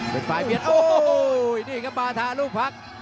เป็นปลายเปลี่ยนโอ้โหนี่ก็มาทะลูกพัก